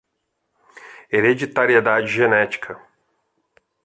hereditariedade genética